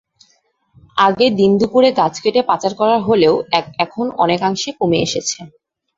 আগে দিনদুপুরে গাছ কেটে পাচার করা হলেও এখন অনেকাংশে কমে এসেছে।